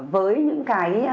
với những cái